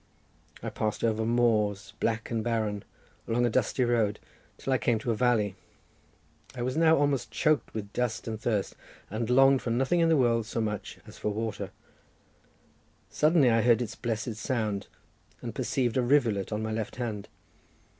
I passed over moors, black and barren, along a dusty road till I came to a valley; I was now almost choked with dust and thirst, and longed for nothing in the world so much as for water; suddenly I heard its blessed sound, and perceived a rivulet on my left hand.